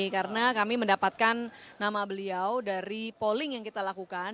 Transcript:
karena kami mendapatkan nama beliau dari polling yang kita lakukan